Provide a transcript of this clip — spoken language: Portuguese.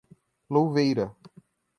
Louveira